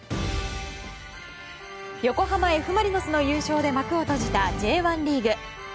横浜Ｆ・マリノスの優勝で幕を下ろしたＪ１リーグ。